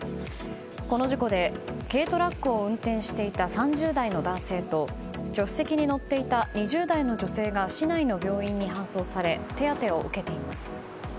この事故で軽トラックを運転していた３０代の男性と助手席に乗っていた２０代の女性が市内の病院に搬送され手当てを受けています。